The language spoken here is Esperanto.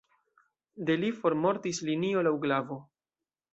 De li formortis linio laŭ glavo.